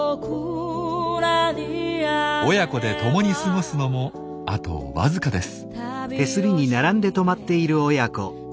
親子で共に過ごすのもあとわずかです。